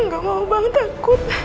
gak mau bang takut